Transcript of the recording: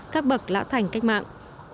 các bậc lã thành cách mạng